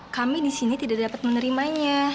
kami di sini tidak dapat menerimanya